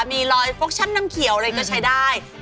มีรอยฟกชันน้ำเขียวอะไรก็ใช้ได้